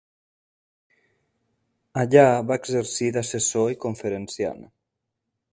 Allà va exercir d'assessor i conferenciant.